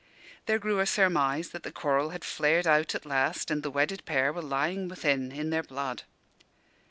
There grew a surmise that the quarrel had flared out at last, and the wedded pair were lying within, in their blood.